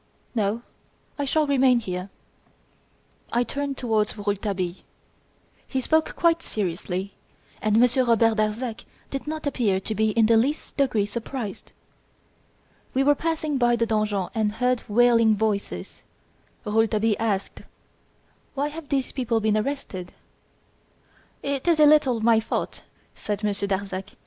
"No; I shall remain here." I turned towards Rouletabille. He spoke quite seriously, and Monsieur Robert Darzac did not appear to be in the least degree surprised. We were passing by the donjon and heard wailing voices. Rouletabille asked: "Why have these people been arrested?" "It is a little my fault," said Monsieur Darzac.